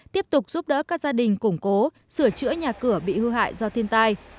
tiếp tục giúp đỡ các gia đình củng cố sửa chữa nhà cửa bị hư hại do thiên tai